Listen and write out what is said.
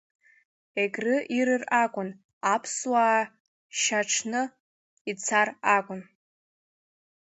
Егры ирыр акәын, аԥсуаа шьаҽны ицар акәын…